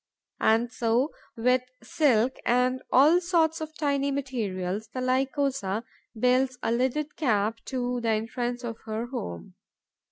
And so, with silk and all sorts of tiny materials, the Lycosa builds a lidded cap to the entrance of her home.